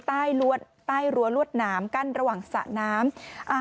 ใต้รั้วลวดหนามกั้นระหว่างสระน้ำ